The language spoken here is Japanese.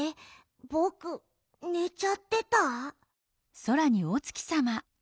ぼくねちゃってた？